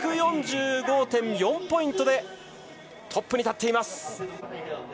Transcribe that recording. １４５．４ポイントでトップに立っています。